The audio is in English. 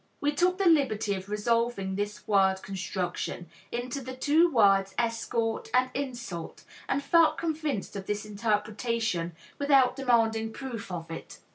We took the liberty of resolving this word construction into the two words "escort" and "insult," and felt convinced of this interpretation without demanding proof of it.